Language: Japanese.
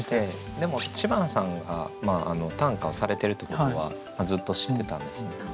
でも知花さんが短歌をされてるってことはずっと知ってたんですね。